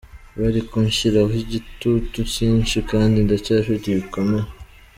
Bari kunshyiraho igitutu cyinshi kandi ndacyafite ibikomere.